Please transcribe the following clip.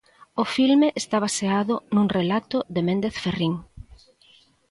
O filme está baseado nun relato de Méndez Ferrín.